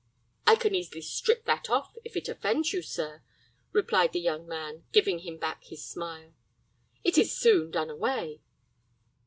"I can easily strip that off, if it offends you, sir," replied the young man, giving him back his smile. "It is soon done away."